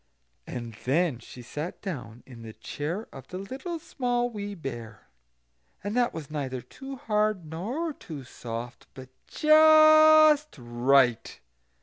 And then she sat down in the chair of the Little Small Wee Bear, and that was neither too hard nor too soft, but just right.